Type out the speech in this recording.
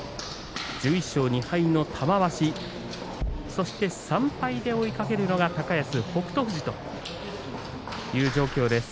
１１勝２敗の玉鷲そして３敗で追いかけるのは高安、北勝富士です。